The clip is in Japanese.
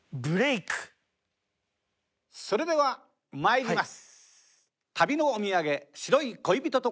それでは参ります。